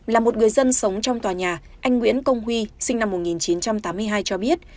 là một người dân sống trong tòa nhà anh nguyễn công huy sinh năm một nghìn chín trăm tám mươi hai cho biết